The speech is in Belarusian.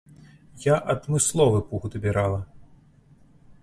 Я адмысловы пух дабірала.